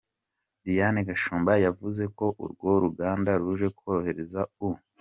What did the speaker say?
Diane Gashumba yavuze ko urwo ruganda ruje korohereza u .